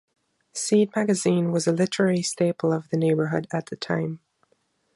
Seed Magazine was a literary staple of the neighborhood at the time.